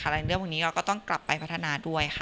เรื่องพวกนี้เราก็ต้องกลับไปพัฒนาด้วยค่ะ